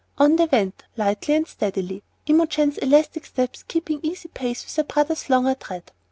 On they went, lightly and steadily, Imogen's elastic steps keeping pace easily with her brother's longer tread.